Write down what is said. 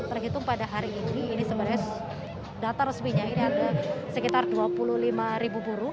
terhitung pada hari ini ini sebenarnya data resminya ini ada sekitar dua puluh lima ribu buruh